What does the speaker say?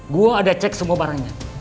gue ada cek semua barangnya